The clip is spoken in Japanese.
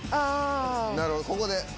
なるほどここで。